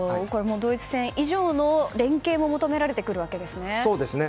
ドイツ戦以上の連係が求められてくるわけですね。